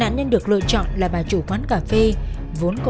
nạn nhân được lựa chọn là bà chủ quán cà phê vốn có quan hệ với hắn